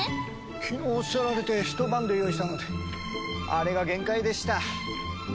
昨日おっしゃられてひと晩で用意したのであれが限界でした。